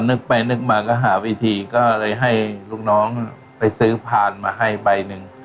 นึกไปนึกมาก็หาวิธีก็เลยให้ลูกน้องไปซื้อพานมาให้ใบหนึ่ง